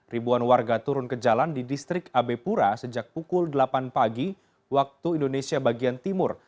ribuan warga turun ke jalan di distrik abe pura sejak pukul delapan pagi waktu indonesia bagian timur